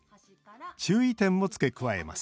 注意点も付け加えます